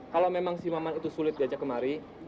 kalau memang si maman itu sulit diajak kemari